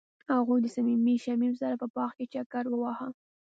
هغوی د صمیمي شمیم سره په باغ کې چکر وواهه.